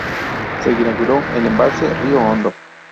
Se inauguró el embalse río Hondo.